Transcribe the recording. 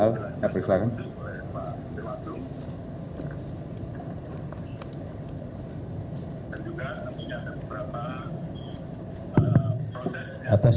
dan juga nantinya ada beberapa proses yang akan dilakukan